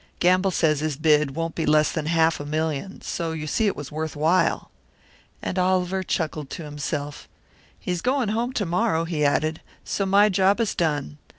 Gamble says his bid won't be less than half a million, so you see it was worth while!" And Oliver chuckled to himself. "He's going home to morrow," he added. "So my job is done.